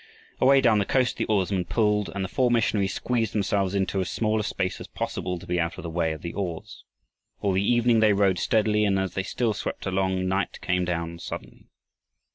Away down the coast the oarsmen pulled, and the four missionaries squeezed themselves into as small a space as possible to be out of the way of the oars. All the evening they rowed steadily, and as they still swept along night came down suddenly.